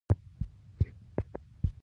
اوړه که ښه اوبه ورکړې، ښه پخیږي